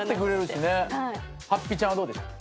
はっぴちゃん。はどうでした？